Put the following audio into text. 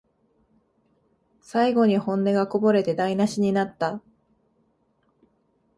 最後に本音がこぼれて台なしになった